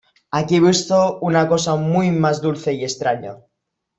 Aquí he visto una cosa muy más dulce y extraña.